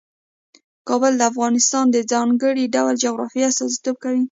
کابل د افغانستان د ځانګړي ډول جغرافیه استازیتوب کوي.